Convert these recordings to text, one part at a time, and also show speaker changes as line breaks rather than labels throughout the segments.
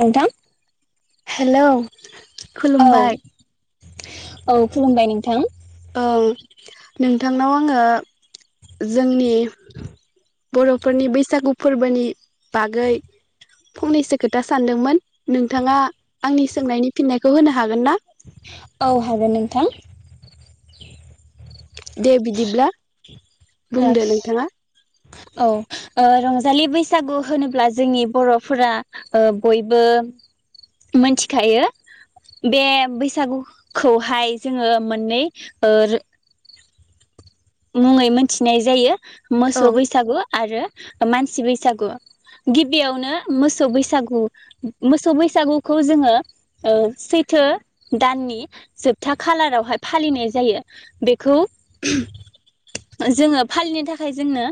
नोंथां
हेलौ
औ
खुलुमबाय
औ खुलुमबाय नोंथां
औ नोंथांनाव आङो जोंनि बर'फोरनि बैसागु फोरबोनि बागै फंनैसो खोथा सानदोंमोन। नोंथाङा आंनि सोंनायनि फिननायखौ होनो हागोन ना?
औ हागोन नोंथां।
दे बिदिब्ला बुंदो नोंथाङा
औ ओ रंजालि बैसागु होनोब्ला जोंनि बर'फोरा ओ बयबो मोनथिखायो बे बैसागु खौहाय जोङो मोननै ओ मुङै मोनथि
औ
मोसौ बैसागु आरो मानसि बैसागु गिबियावनो मोसौ बैसागु मोसौ बैसागुखौ जोङो सैथो दाननि जोबथा खालारावहाय फालिनाय जायो बेखौ
[unintelligible]
जोङो फालिनो थाखाय जोंनो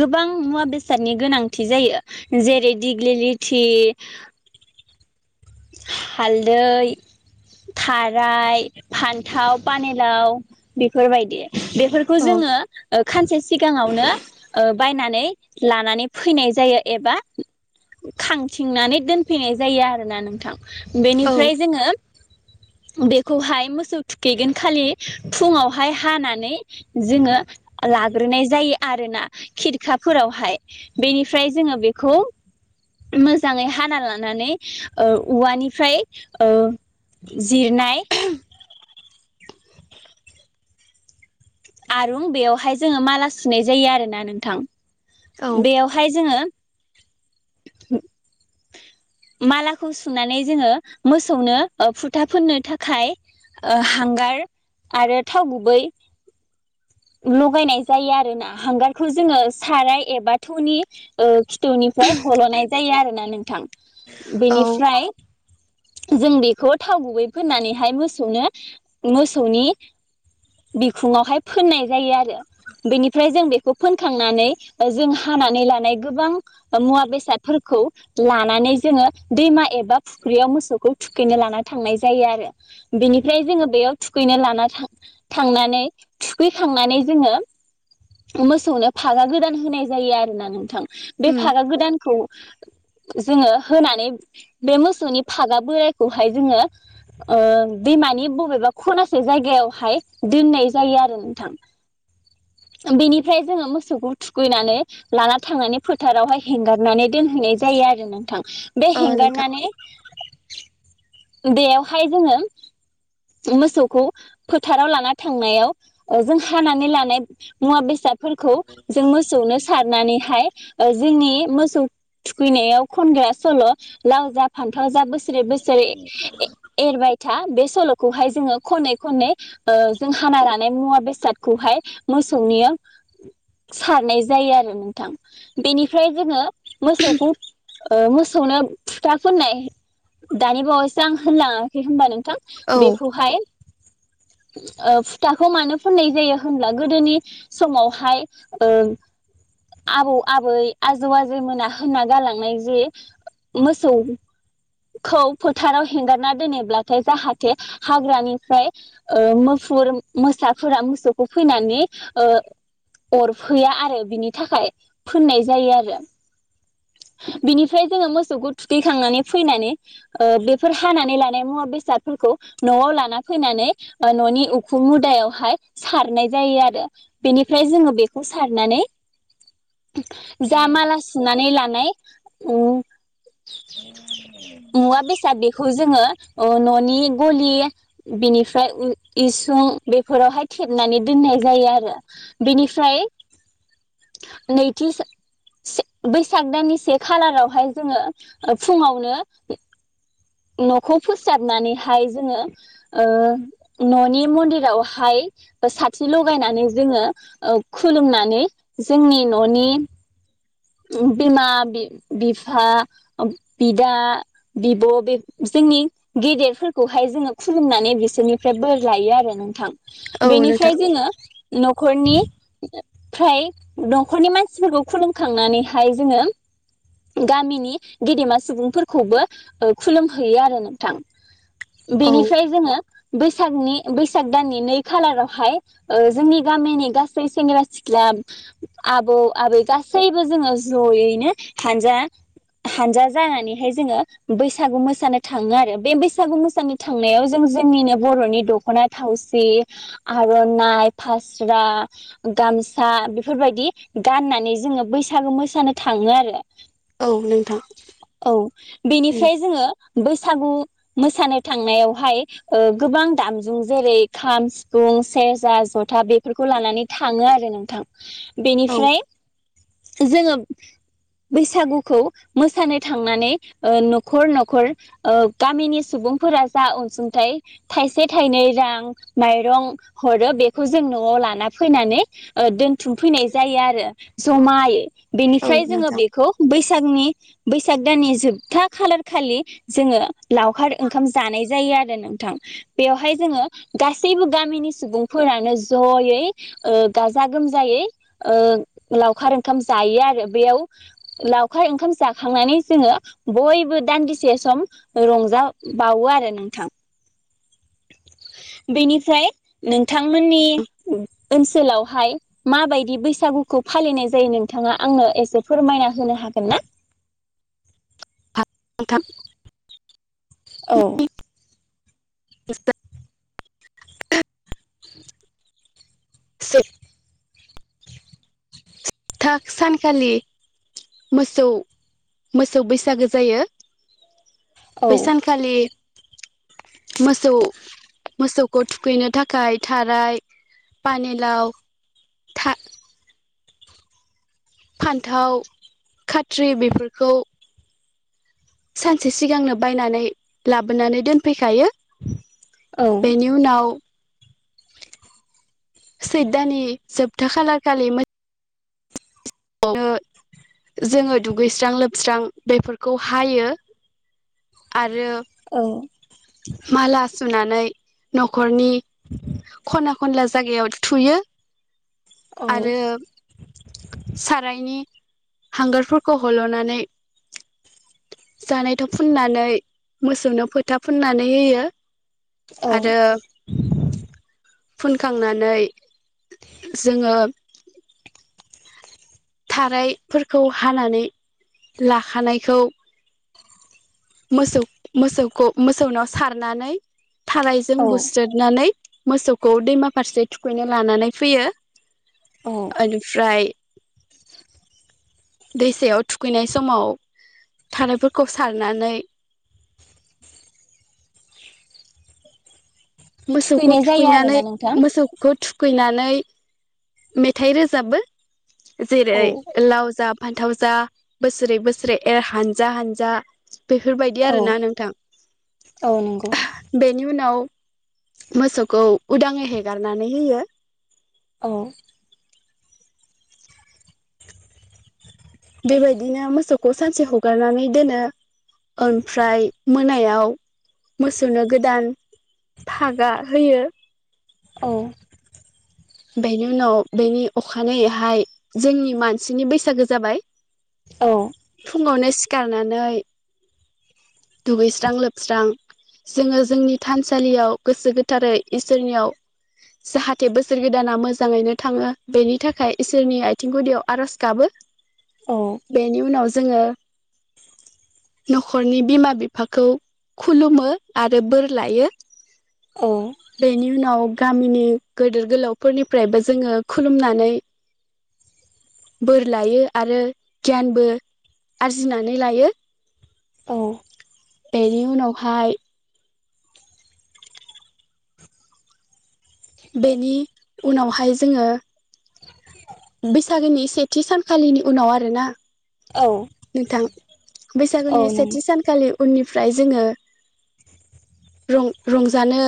गोबां मुवा बेसादनि गोनांथि जायो जेरै दिग्लिलिथि हालदै थाराय फान्थाव पानेलाव बेफोरबायदि बेफोरखौ
औ
जोङो ओ खानसे सिगाङावनो ओ बायनानै लानानै फैनाय जायो एबा खांथिंनानै दोनफैनाय जायो आरोना नों
औ
बेनिफ्राय जोङो बेखौहाय मोसौ थुखैगोन खालि फुङावहाय हानानै जोङो लाग्रोनाय जायो। आरोना खिरखाफोरावहाय बेनिफ्राय जोङो बेखौ मोजाङै हाना लानानै ओ उवानिफ्राय जिरनाय आरुं बेवहाय जोङो माला सुनाय जायो आरोना नोंथां।
औ
बेयावहाय जोङो मालाखौ सुनानै जोङो मोसौनो ओ फुथा फोननो थाखाय ओ हांगार आरो थाव गुबै लगायनाय जायो आरो ना हांगारखौ जोङो साराय एबा थौनि ओ खिथुनिफ्राय हल'नाय जायो आरो ना नोंथां।
औ
बेनिफ्राय जों बेखौ थाव गुबै फोननानैहाय मोसौनो मोसौनि बिखुंङावहाय फोननाय जायो आरो बेनिफ्राय जों बेखौ फोनखांनानै ओ जों हानानै लानाय गोबां ओ मुवा बेसादफोरखौ लानानै जोङो दैमा एबा फुख्रियाव मोसौखौ थुखैनो लाना थांनाय जायो आरो बेनिफ्राय जोङो बेयाव थुखैनो लाना थां थांनानै थुखैखांनानै जोङो मोसौनो फागा गोदान होनाय जायो आरोना नोंथां। बे
उम
फारा गोदानखौ जोङो होनानै बे मोसौनि फागा बोरायखौहाय जोङो ओ दैमानि बबेबा खनासे जायगायावहाय दोननाय जायो आरो नोंथां बेनिफ्राय जोङो मोसौखौ थुखैनानै लाना थांनानै फोथारावहाय हेंगारनानै दोनहैनाय जायो आरो नोंथां। बे
ओ नोंथां
हेंगारनानै बेवहाय जोंङो मोसौखौ फोथाराव लाना थांनायाव जों हानानै लानाय मुवा बेसाद फोरखौ जों मोसौनो सारनानैहाय ओ जोंनि मोसौ थुखैनायाव खनग्रा सल' लाव जा फान्थाव जा बोसोरे बोसोरे एरबाय था बे सल' खौहाय जोङो खनै खनै ओ जों हाना लानाय मुवा बेसादखौहाय मोसौनिया सारनाय जायो आरो नोंथां बेनिफ्राय जोङो मोसौखौ ओ मोसौनो फुथा फोननाय दानि बावैसो आं होनलाङाखै होनबा नोंथां
औ
बेखौहाय ओ फुथाखौ मानो फुननाय जायो होनब्ला गोदोनि समावहाय ओ आबौ आबै आजौ आजैमोना होनना गालांनाय जे मोसौखौ फोथाराव हेंगारना दोनोब्लाथाय जाहाथ जाहाथे हाग्रानिफ्राय ओ मुफुर मोसाफोरा मोसौखौ फैनानै ओ अरफैया आरो बिनि थाखाय फोननाय जायो आरो। बेनिफ्राय जोङो मोसौखौ थुखैखांनानै फैनानै ओ बेफोर हानानै लानाय मुवा बेसादफोरखौ न'आव लाना फैनानै ओ न'नि उखुम मुदायावहाय सारनाय जायो आरो बेनिफ्राय जोङो बेखौ सारनानै जा माला सुनानै ला। नाय उम। मुया बेसादबेखौ जा जोङो ओ न'नि गलि बिनिफ्राय उ इसुं बेफोरावहाय थेबनानै दोननाय जायो आरो बेनिफ्राय नैथि सा सि बैसाग दाननि से खालारावहाय जोंङो फुङावनो [inaudible] न'खौ फोसाबनानैहाय जोंङो ओ न'नि मन्दिरावहाय साथि लगायनानै जोङो ओ खुलुमनानै जोंनि न'नि बिमा बि बिफा ओब बिदा बिब' बिब जोंनि गेदेरफोरखौहाय जोङो खुलुमनानै बिसोरनिफ्राय बोर लायो आरो नोंथां।
औ नोंथां
बेनिफ्राय जोङो न'खरनि फ्राय न'खरनि मानसिफोरखौ खुलुमखांनानैहाय जोंङो गामिनि गेदेमा सुबुंफोरखौबो ओ खुलुम हैयो आरो नोंथां।
औ
बेनिफ्राय जोङो बैसागनि बैसाग दाननि नै खालारावहाय ओ जोंनि गामिनि गासै सेंग्रा सिख्ला आब आबौ आबै गासैबो जोङो जयैनो हानजा हानजा जानानैहाय जोङो बैसागु मोसा मोसानो थाङो आरो बे बैसागु मोसानो थांनायाव जों जोंनिनो बर'नि दख'ना थावसि आर'नाइ फास्रा गामसा बेफोरबायदि गाननानै जोङो बैसागु मोसानो थाङो आरो।
औ नोंथां
औ
उम
बेनिफ्राय जोङो बैसागु मोसानो थांनायावहाय ओ गोबां दामजु जेरै खाम सिफुं सेरजा जथ था बेफोरखौ लानानै थाङो आरो नोंथां।
औ
बेनिफ्राय जोङो बैसागुखौ मोसानो थांनानै ओ न'खर न'खर ओ गामिनि सुबुंफोरा जा अनसुंथाइ थाइसे थाइनै रां माइरं हरो बेखौ जों न'आव लाना फैनानै ओ दोन थुमफैनाय जायो आरो जमायै
औ
बेनिफ्राय जोङो
नोंथां
बेखौ बैसागनि बैसाग दाननि जोबथा खालार खालि जोंङो लावखार ओंखाम जानाय जायो आरो नोंथां बेयावहाय जोङो गासैबो गामिनि सुबुंफोरानो जयै ओ गाजा गोमजायै ओ लावखार ओंखाम जायो आरो बेयाव लावखार ओंखाम जाखांनानै जोंङो बयबो दानदिसे स सम रंज बावो आरो नोंथां बेनिफ्राय नों थांमोननि ओनसोलावहाय माबायदि बैसागुखौ फालिनाय जायो नोंथाङा आंनो एसे फोरमायना होनो हागोन ना
थाम
औ
ए [unintelligible] से थाग सानखालि मोसौ मोसौ बैसागो जायो
औ
बैसानखालि मोसौ मोसौखौ थुखैनो थाखाय थाराय पानिलाव था फान्थाव खाथ्रि बेफोरखौ सानसे सिगांनो बायनानै लाबोनानै दोनफैखायो
औ
बेनि उनाव सैद दाननि जोबथा खालारखालि मो जोंङो दुगैस्रां लोबस्रां बेफोरखौ हायो आरो
औ
माला सुनानै नखरनि खना खनला जायगायाव थुयो आरो सारायनि हांगारफोरखौ हलनानै जानाय थाव फुननानै मोसौनो फोथाब फुननानै होयो
औ
आरो फुनखांनानै जोंङो थारायफोरखौ हानानै लाखानायखौ मोसौ मोसौखौ मोसौनाव सारनानै थारायजों
औ
बुस्रदनानै मोसौखौ दैमा फारसे थुखैनो लानानै फैयो
औ
ओनिफ्राय दैसायाव थुखैनाय समाव थारायफोरखौ सारनानै मोसौखौ
थुखैनाय जायो
थुखैनानै
आरोना नोंथां
मोसौखौ थुख थुखैनानै मेथाइ रोजाबो जिरै
औ
लाव जा फान्थाव जा बोसोरै बोसोरै एर हानजा हानजा बेफोरबायदि
औ
आरोना नोंथां
औ नंगौ
बेनि उनाव मोसौखौ उदाङै हेगारनानै होयो
औ
बेबायदिनो मोसौखौ सानसे हगारनानै दोनो ओमफ्राय मोनायाव मोसौनो गोदान फागा होयो
औ
बेनि उनाव बेनि अखानायैहाय जोंनि मानसिनि बैसागो जाबाय
औ
फुङावनो सिखार दुगैस्रां लोबस्रां जोंङो जोंनि थानसालियाव गोसो गोथारै इसोरनियाव जाहाथे बो बोसोर गोदाना मोजाङैनो थांङो बेनि थाखाय इसोरनि आथिं गुदियाव आरज गाबो बेनिउनाव जोंङो
[inaudible]
न'खरनि बिमा बिफाखौ खुलुमो आरो बोर लायो।
औ
बैनि उनाव। गामिनि गोदोर। गोलावफोरनिफ्रायबो जोङो खुलुमनानै। बोर लायो आरो गियानबो आरजिनानै लायो बेनि उनावहाय। बेनि उनावहाय जोङो। बैसागोनि सेथि सानखालिनि उनाव आरोना।
औ।
नोंथां।
औ
बैसागुनि
नंगौ औ
सेथि सानखालि। उननिफ्राय जोङो रंग रंजानो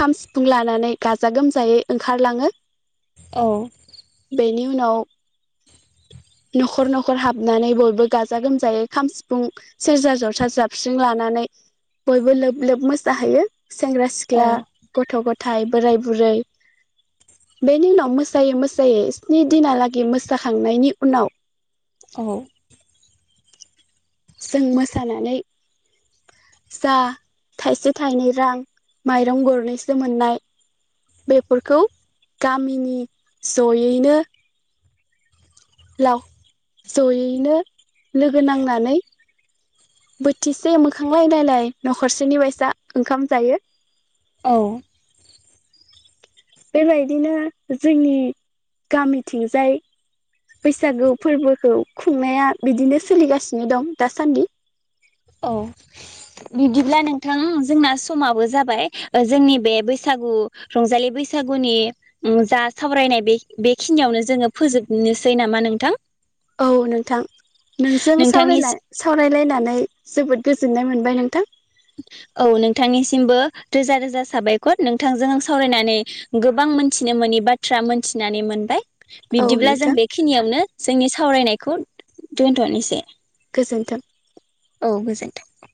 खाम सिफुं लानानै गाजा गोमजायै ओंखारलाङो।
औ।
बेनि उनाव न'ख न'खर हाबनानै बयबो। गाजा गोमजायै खाम सिफुं सेरजा जथा जाबस्रिं लानानै बयबो लोब लोब मोसाहैयो। सेंग्रा सिख्ला गथ' गथ। फिथाइ बोराय बुरै बेनि उनाव मोसायै मोसायै स्नि दिनालागै मोसाखांनायनि उनाव।
औ।
जों मोसानानै जा थाइसे थाइनै रां माइरं गरनैसो मोननाय बेफोरखौ गामिनि जयैनो। लाव जयैनो लोगो नांनानै बोथिसे मोखांलाय नायलाय न'खरसेनि बायसा ओंखाम जायो।
औ।
बेबायदिनो जोंनि गामिथिंजाय बैसागु फोरबोखौ खुंनाया बिदिनो सोलिगासिनो दं दासान्दि।
औ बिदिब्ला नोंथां जोंना समाबो जाबाय जोंनि बे बैसागु रंजालि बैसागुनि जा सावरायनाय बे बेखिनियावनो जोङो फोजोबनोसै नामा नोंथां।
औ नोंथां नोंजों साव
नोंथांनि
सावरायलायनानै। जोबोद गोजोननाय मोनबाय नोंथां।
औ नोंथांनिसिमबो रोजा रोजा साबायखर नोंथांजों आं सावरायनानै गोबां मोनथिनो मोननि बाथ्रा मोनथिनानै मोनबाय।
औ
बिब्दिब्ला जों
नोंथां
बेखिनियावनो। जोंनि सावरायनायखौ दोनथ'नोसै।
गोजोन्थों।
औ गोजोन्थों।